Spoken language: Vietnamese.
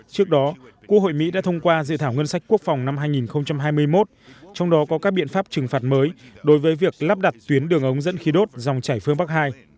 trước đó quốc hội mỹ đã thông qua dự thảo ngân sách quốc phòng năm hai nghìn hai mươi một trong đó có các biện pháp trừng phạt mới đối với việc lắp đặt tuyến đường ống dẫn khí đốt dòng chảy phương bắc hai